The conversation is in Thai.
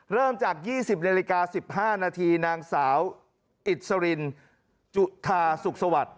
เริ่มจาก๒๐นาฬิกา๑๕นาทีนางสาวอิสรินจุธาสุขสวัสดิ์